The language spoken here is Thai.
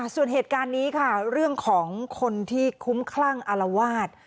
ส่วนเหตุการณ์นี้ค่ะเรื่องของคนที่คุ้มคลั่งอารวาส